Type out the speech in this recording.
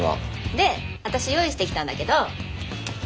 で私用意してきたんだけど。